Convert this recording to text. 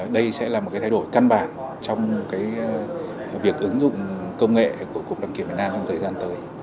đây sẽ là một cái thay đổi căn bản trong việc ứng dụng công nghệ của cục đăng kiểm việt nam trong thời gian tới